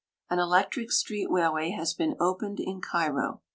An electric street railway has been opened in Cairo.